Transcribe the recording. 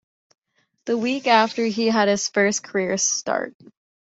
The week after, he had his first career start.